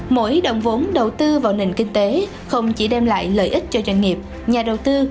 mỗi đồng vốn đầu tư vào nền kinh tế không chỉ đem lại lợi ích cho doanh nghiệp nhà đầu tư